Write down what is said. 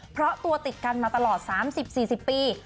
เพราะตัวติดกันมาตลอด๓๐๔๐ปี